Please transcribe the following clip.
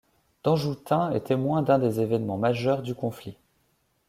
Danjoutin est témoin d'un des événements majeurs du conflit.